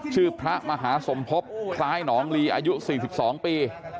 พระมหาสมภพคล้ายหนองลีอายุ๔๒ปี